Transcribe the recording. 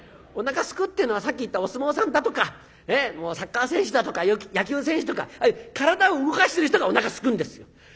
おなかすくっていうのはさっき言ったお相撲さんだとかサッカー選手だとか野球選手とかああいう体を動かしてる人がおなかすくんですよ。